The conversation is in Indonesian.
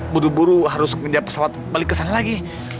buru buru harus pindah pesawat balik ke sana lagi